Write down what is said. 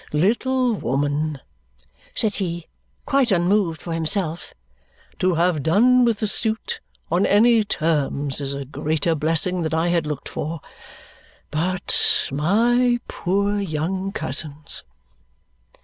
"Little woman," said he, quite unmoved for himself, "to have done with the suit on any terms is a greater blessing than I had looked for. But my poor young cousins!"